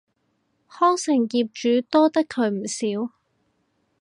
康城業主多得佢唔少